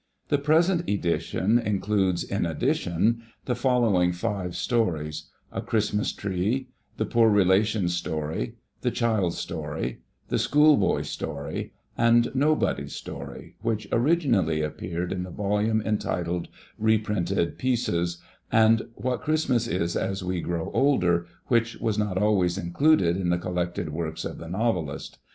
'" The present Edition includes, iu addition, the following five stories :" A Christmas Tree," " The Poor Relation's Story," " TJw Child's Story,"^ " The Schoolboy's Story " and " Nobody's Story," which miginally appeared in the volmne entitled " Reprinted Pieces ;" and " What Christmas is as we Givw Older," which was not always included in the collected works of the 7iovelist.